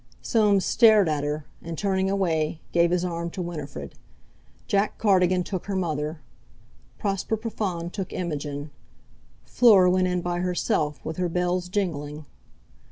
Soames stared at her, and, turning away, gave his arm to Winifred. Jack Cardigan took her mother. Prosper Profond took Imogen. Fleur went in by herself, with her bells jingling....